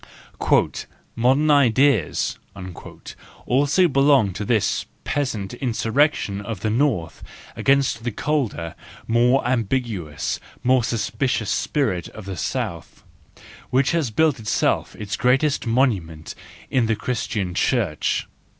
" Modern ideas " also belong to this peasant insurrection of the north against the colder, more ambiguous, more suspicious spirit of the south, which has built itself its greatest monument in the Christian Church.